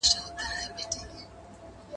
غوړ خواړه مه خوره.